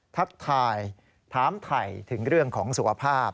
ทักทายถามถ่ายถึงเรื่องของสุขภาพ